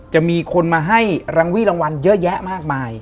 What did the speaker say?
จะมีคนมาให้รังวี่รางวัลเยอะแยะมากมาย